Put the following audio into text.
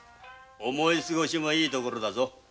思いすごしもいいところだ。